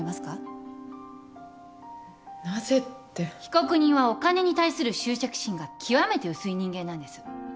被告人はお金に対する執着心が極めて薄い人間なんです。